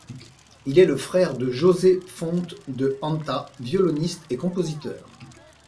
Il est le frère de José Font de Anta, violoniste et compositeur.